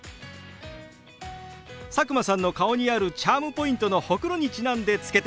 佐久間さんの顔にあるチャームポイントのホクロにちなんで付けてみたんですよ。